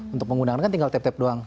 untuk menggunakan kan tinggal tap tap doang